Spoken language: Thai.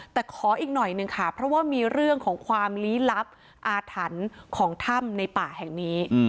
แต่ขออีกหน่อยหนึ่งค่ะเพราะว่ามีเรื่องของความลี้ลับอาถรรพ์ของถ้ำในป่าแห่งนี้